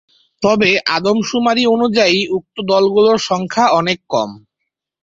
তবে, আদমশুমারি অনুযায়ী উক্ত দলগুলোর সংখ্যা অনেক কম।